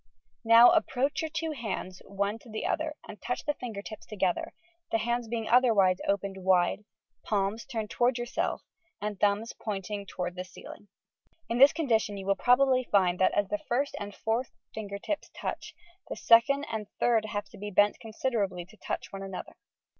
Now approach your two bauds one to the other and touch the finger tips together, the haads being otherwise opened wide, palms turned towards yourself and thumbs pointing toward the ceiling. In this condition you will probably find that, as the first and fourth finger tips touch, the second and third fingers have to be bent considerably to touch one another.